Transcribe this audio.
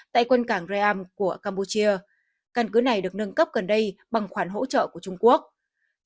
tại quân cảng raam của campuchia căn cứ này được nâng cấp gần đây bằng khoản hỗ trợ của trung quốc